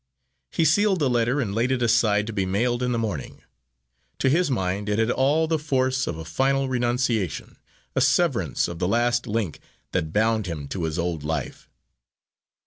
He sealed the letter, and laid it aside to be mailed in the morning. To his mind it had all the force of a final renunciation, a severance of the last link that bound him to his old life.